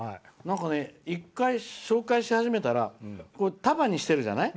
一回、紹介し始めたら束にしてるじゃない。